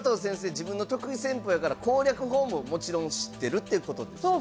自分の得意戦法やから攻略法ももちろん知ってるってことですよね。